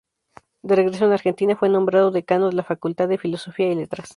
De regreso en Argentina, fue nombrado decano de la Facultad de Filosofía y Letras.